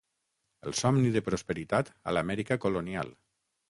"El Somni de Prosperitat a l"Amèrica Colonial.